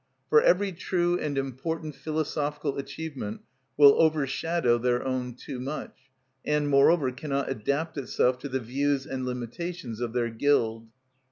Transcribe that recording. For every true and important philosophical achievement will overshadow their own too much, and, moreover, cannot adapt itself to the views and limitations of their guild.